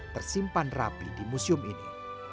tersimpan rapi di museum ini